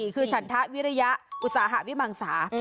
คือฉันทะวิริยะอุตสาหวิมังสา